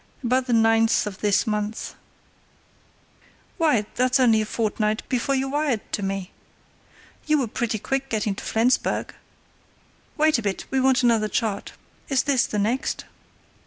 "About the ninth of this month." "Why, that's only a fortnight before you wired to me! You were pretty quick getting to Flensburg. Wait a bit, we want another chart. Is this the next?"